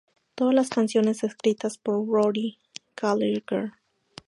Todas las canciones escritas por Rory Gallagher.